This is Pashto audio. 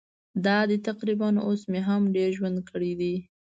دا دی تقریباً اوس مې هم ډېر ژوند کړی دی.